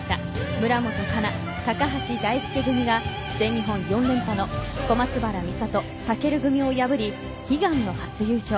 村元哉中・高橋大輔組が全日本４連覇の小松原美里・尊組を破り悲願の初優勝。